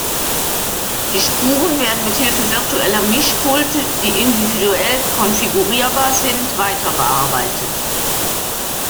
Die Spuren werden mit Hilfe virtueller Mischpulte, die individuell konfigurierbar sind, weiter bearbeitet.